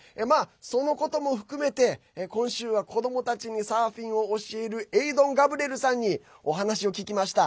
そのことも含めて今週は子どもたちにサーフィンを教えるエイドン・ガブレルさんにお話を聞きました。